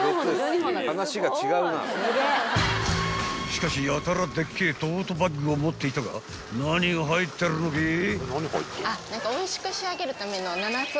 ［しかしやたらでっけえトートバッグを持っていたが何が入ってるんでぇ？］